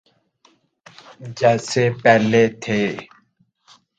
جیسے پہلے تھے۔